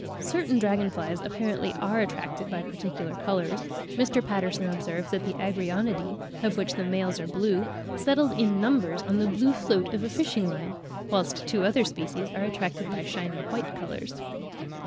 Certain dragon flies apparently are attracted by particular colours: Mr. Patterson observed (52. 'Transactions, Ent. Soc.' vol. i. 1836, p. lxxxi.) that the Agrionidae, of which the males are blue, settled in numbers on the blue float of a fishing line; whilst two other species were attracted by shining white colours.